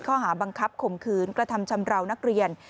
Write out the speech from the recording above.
ข้อหาบังคับข่มขืนกระทำชำราวนักเรียน